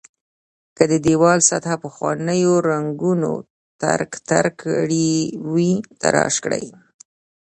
که د دېوال سطحه پخوانیو رنګونو ترک ترک کړې وي تراش کړئ.